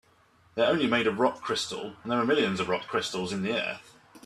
They're only made of rock crystal, and there are millions of rock crystals in the earth.